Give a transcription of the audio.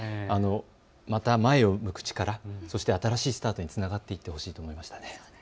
また前を向く力、新しいスタートにつながっていってほしいと思いました。